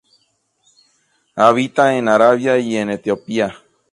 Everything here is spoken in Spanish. Habita en Arabia y en Etiopía.